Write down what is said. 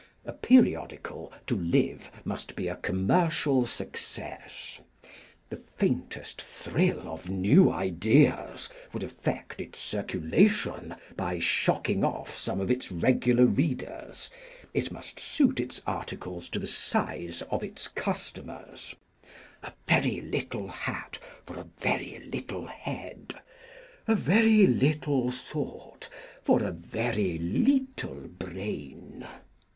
A periodical to live must be a commercial success; the faintest thrill of new ideas would affect its circulation by shocking off some of its regular readers; it must suit its articles to the size of its customers—a very little hat for a very little head, a very little thought for a very little brain.